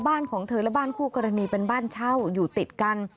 ของเธอและบ้านคู่กรณีเป็นบ้านเช่าอยู่ติดกัน